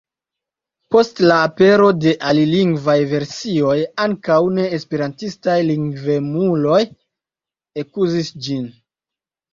Post la apero de alilingvaj versioj ankaŭ neesperantistaj lingvemuloj ekuzis ĝin.